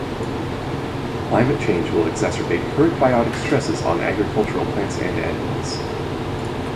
Climate change will exacerbate current biotic stresses on agricultural plants and animals.